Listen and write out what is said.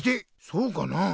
そうかなあ。